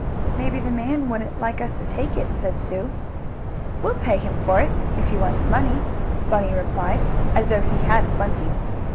"Maybe the man wouldn't like us to take it," said Sue. "We'll pay him for it, if he wants money," Bunny replied, as though he had plenty.